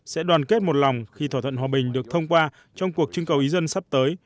sẽ đoàn kết một lòng khi thỏa thuận hòa bình được thông qua trong cuộc trưng cầu ý dân sắp tới